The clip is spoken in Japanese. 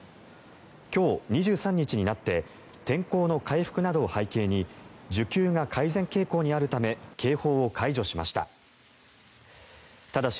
今日２３日になって天候の回復などを背景に需給が改善傾向にあるため警報を解除しました。